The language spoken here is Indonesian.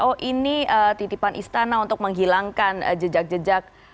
oh ini titipan istana untuk menghilangkan jejak jejak